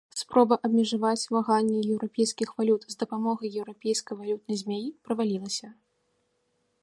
Спроба абмежаваць ваганне еўрапейскіх валют з дапамогай еўрапейскай валютнай змяі правалілася.